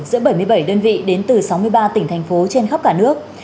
giữa bảy mươi bảy đơn vị đến từ sáu mươi ba tỉnh thành phố trên khắp cả nước